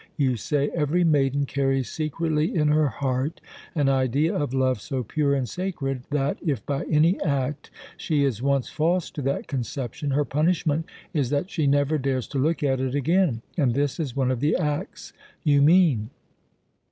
You say: 'Every maiden carries secretly in her heart an idea of love so pure and sacred that, if by any act she is once false to that conception, her punishment is that she never dares to look at it again.' And this is one of the acts you mean."